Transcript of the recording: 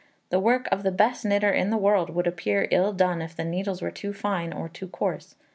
The work of the best knitter in the world would appear ill done if the needles were too fine or too coarse.